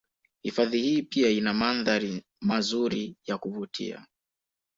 Hifadhi hii pia ina mandhari mazuri ya kuvutia